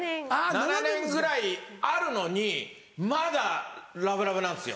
７年ぐらいあるのにまだラブラブなんですよ。